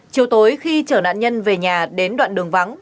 chiều tối khi chở nạn nhân về nhà đến đoạn đường vắng